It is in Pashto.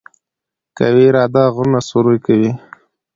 قوي اراده غرونه سوري کوي.